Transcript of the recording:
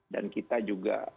dan kita juga